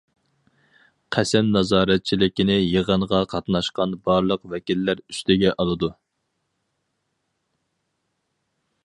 قەسەم نازارەتچىلىكىنى يىغىنغا قاتناشقان بارلىق ۋەكىللەر ئۈستىگە ئالىدۇ.